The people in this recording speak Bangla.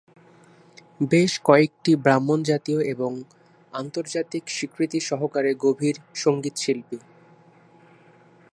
বেশ কয়েকটি ব্রাহ্মণ জাতীয় এবং আন্তর্জাতিক স্বীকৃতি সহকারে গভীর সংগীতশিল্পী।